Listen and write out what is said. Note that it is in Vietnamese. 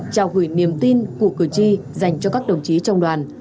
trao gửi niềm tin của cử tri dành cho các đồng chí trong đoàn